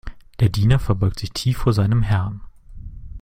Der Diener verbeugt sich tief vor seinem Herrn.